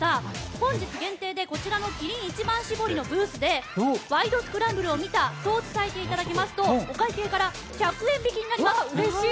本日限定で、こちらのキリン一番搾りのブースで「ワイド！スクランブル」を見たと伝えていただきますとお会計から１００円引きになります。